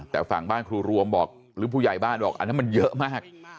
แต่ฝั่งบ้านครูรวมบอกหรือผู้ใหญ่บ้านบอกอันนั้นมันเยอะมาก